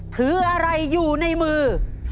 ถืออะไรอยู่ในมือ